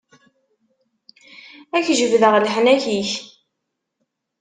Ad ak-jebdeɣ leḥnak-ik.